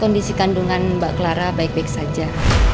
kondisi kandungan mbak clara baik baik saja